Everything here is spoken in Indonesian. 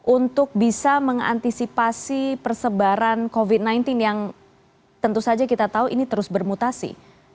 untuk bisa mengantisipasi persebaran covid sembilan belas yang tentu saja kita tahu ini terus bermutasi